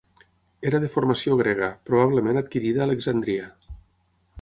Era de formació grega, probablement adquirida a Alexandria.